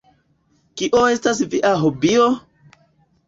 Kio estas via hobio?